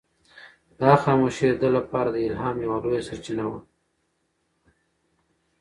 دا خاموشي د ده لپاره د الهام یوه لویه سرچینه وه.